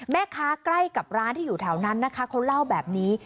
ใกล้กับร้านที่อยู่แถวนั้นนะคะเขาเล่าแบบนี้